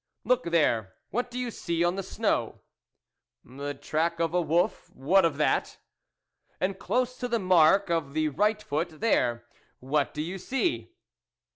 " Look there, what do you see on the snow ?"" The track of a wolf ; what of that ?"" And close to the mark of the right foot there what do you see